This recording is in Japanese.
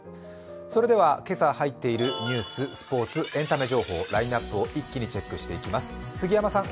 それでは今朝入っているニュース、スポーツ、エンタメ情報、ラインナップを一気にチェックしていきます。